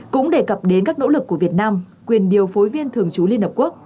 cũng đề cập đến các nỗ lực của việt nam quyền điều phối viên thường trú liên hợp quốc